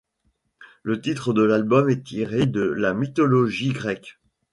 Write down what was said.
Le titre de l'album est tiré de la mythologie grecque.